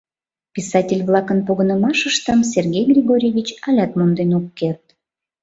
Писатель-влакын погынымашыштым Сергей Григорьевич алят монден ок керт.